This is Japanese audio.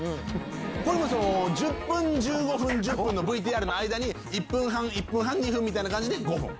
これは１０分１５分１０分のＶＴＲの間に１分半１分半２分みたいな感じで５分。